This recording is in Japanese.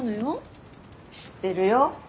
知ってるよ。